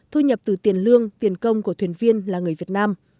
thu nhập từ tiền lương tiền công của thuyền viên là người việt nam